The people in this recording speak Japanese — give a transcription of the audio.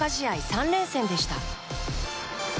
３連戦でした。